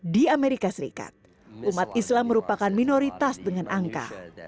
di amerika serikat umat islam merupakan minoritas dengan angka